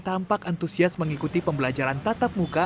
tampak antusias mengikuti pembelajaran tatap muka